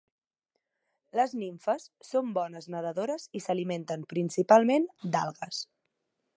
Les nimfes són bones nedadores i s'alimenten principalment d'algues.